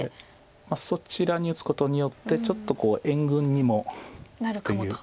そちらに打つことによってちょっと援軍にもっていう。